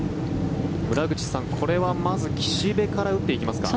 村口さん、これはまず岸部から打っていきますか？